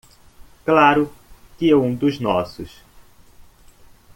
Claro que um dos nossos